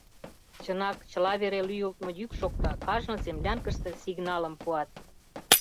Чынак, чыла вере лӱйылтмӧ йӱк шокта, кажне землянкыште сигналым пуат.